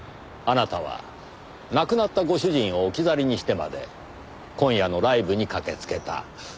あなたは亡くなったご主人を置き去りにしてまで今夜のライブに駆けつけた。